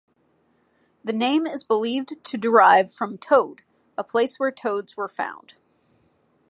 The name is believed to derive from toad, a place where toads were found.